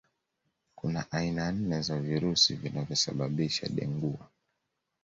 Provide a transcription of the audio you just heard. Kuna aina nne za virusi vinavyosababisha Dengua